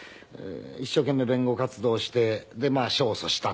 一生懸命弁護活動をして勝訴したと。